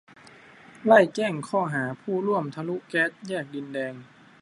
ไล่แจ้งข้อหาผู้ร่วมทะลุแก๊สแยกดินแดง